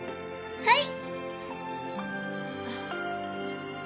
はい。